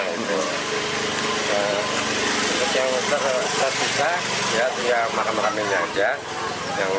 yang terpisah makam makam ini saja